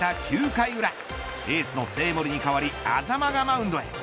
９回裏エースの生盛に代わり安座間がマウンドへ。